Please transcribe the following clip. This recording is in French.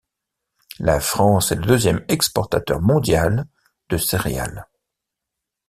La France est le deuxième exportateur mondial de céréales.